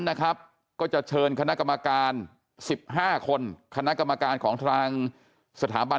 นะครับก็จะเชิญคณะกรรมการ๑๕คนคณะกรรมการของทางสถาบัน